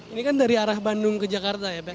ini kan dari arah bandung ke jakarta ya pak